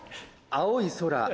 「青い空！